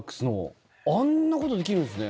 あんなことできるんすね。